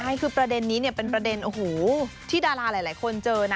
ใช่คือประเด็นนี้เนี่ยเป็นประเด็นโอ้โหที่ดาราหลายคนเจอนะ